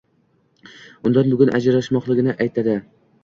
Undan bugun ajrashmoqligini aytadi.